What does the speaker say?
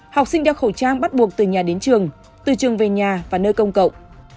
học sinh đeo khẩu trang bắt buộc từ nhà đến trường từ trường về nhà và nơi công cộng